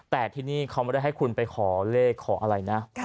แต่ที่นี่เขาไม่ได้ให้คุณไปขอเลขขออะไรนะ